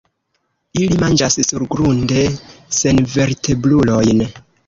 Ili manĝas surgrunde senvertebrulojn.